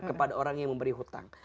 kepada orang yang memberi hutang